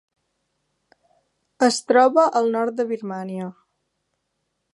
Es troba al nord de Birmània.